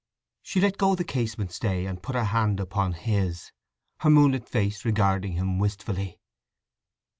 She let go the casement stay and put her hand upon his, her moonlit face regarding him wistfully.